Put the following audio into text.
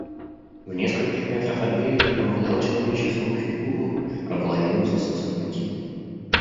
В нескольких метрах от берега я увидал человеческую фигуру, наполовину засосанную тиной.